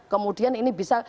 kemudian ini bisa